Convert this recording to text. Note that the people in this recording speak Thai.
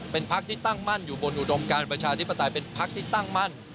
เป็นพักที่ตั้งมั่นอยู่บนอุดมการประชาธิปไตยเป็นพักที่ตั้งมั่น